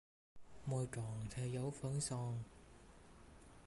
Môi tròn theo dấu phấn son